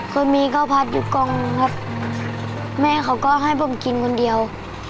เคยมีข้าวพัดอยู่กองครับแม่เขาก็ให้ผมกินคนเดียว